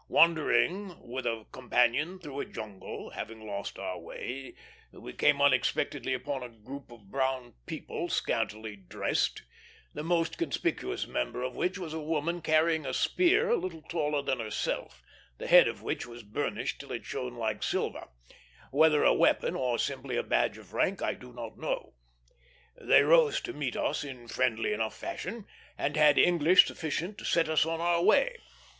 Wandering with a companion through a jungle, having lost our way, we came unexpectedly upon a group of brown people, scantily dressed, the most conspicuous member of which was a woman carrying a spear a little taller than herself, the head of which was burnished till it shone like silver; whether a weapon, or simply a badge of rank, I do not know. They rose to meet us in friendly enough fashion, and had English sufficient to set us on our way.